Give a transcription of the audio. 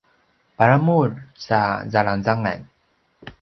paramur sa zalangzangan